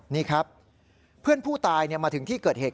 นี่ครับเพื่อนผู้ตายมาถึงที่เกิดเหตุ